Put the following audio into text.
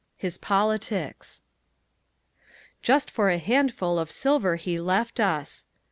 2. HIS POLITICS "Just for a handful of silver he left us."